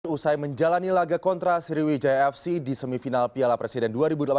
usai menjalani laga kontra sriwijaya fc di semifinal piala presiden dua ribu delapan belas